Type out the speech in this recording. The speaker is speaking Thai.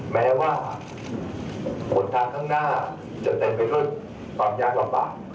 แม้ว่าผลทางข้างหน้าจะเต็มไปด้วยความยากลำบาก